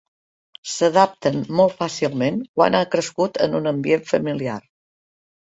S'adapten molt fàcilment quan han crescut en un ambient familiar.